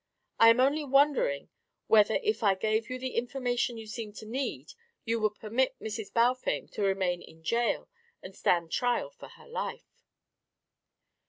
I am only wondering whether if I gave you the information you seem to need you would permit Mrs. Balfame to remain in jail and stand trial for her life."